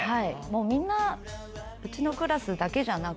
みんなうちのクラスだけじゃなく。